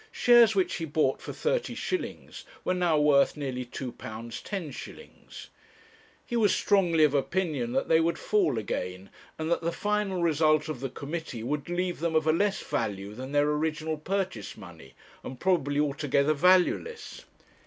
Shares which he bought for 30s. were now worth nearly £2 10s. He was strongly of opinion that they would fall again, and that the final result of the committee would leave them of a less value than their original purchase money, and probably altogether valueless.